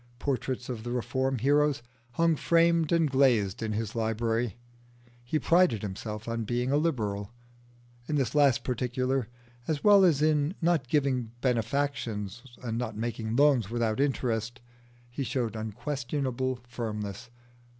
Portraits of the Reform heroes hung framed and glazed in his library: he prided himself on being a Liberal. In this last particular, as well as in not giving benefactions and not making loans without interest, he showed unquestionable firmness.